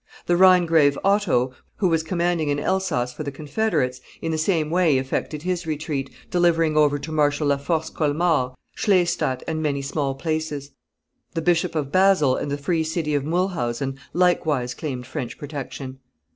The Rhinegrave Otto, who was commanding in Elsass for the confederates, in the same way effected his retreat, delivering over to Marshal La Force Colmar, Schlestadt, and many small places; the Bishop of Basle and the free city of Mulhausen likewise claimed French protection.